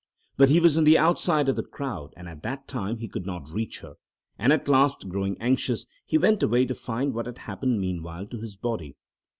But he was on the outside of the crowd and at that time he could not reach her, and at last, growing anxious, he went away to find what had happened meanwhile to his body.